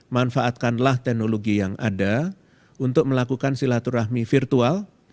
manfaatkanlah teknologi yang ada untuk melakukan silaturahmi virtual